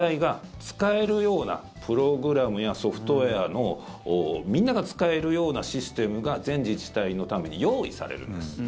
およそ３４年後そのぐらいになれば各自治体が使えるようなプログラムやソフトウェアのみんなが使えるようなシステムが全自治体のために用意されるんです。